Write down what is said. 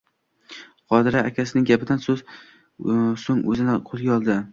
Qadira akasining gapidan soʻng oʻzini qoʻlga oldi